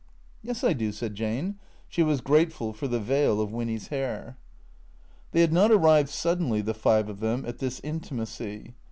" Yes, I do," said Jane. She was grateful for the veil of Winny's hair. They had not arrived suddenly, the five of them, at this inti macy.